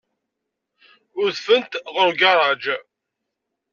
Udfent ɣer ugaṛaj.